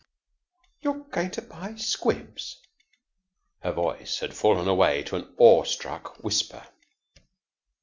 "You're going to buy 'Squibs!'" Her voice had fallen away to an awestruck whisper.